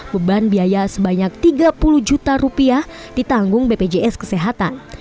beban biaya sebanyak tiga puluh juta rupiah ditanggung bpjs kesehatan